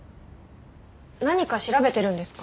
何か調べてるんですか？